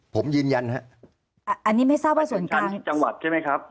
ผมยืนยันฮะอันนี้ไม่ทราบว่าส่วนชั้นจังหวัดใช่ไหมครับ